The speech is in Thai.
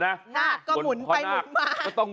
หน้าก็หมุนไปหมุนม้า